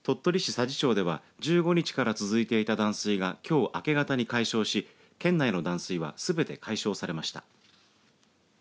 佐治町では１５日から続いていた断水がきょう明け方に解消し県内の断水はすべて解消されました。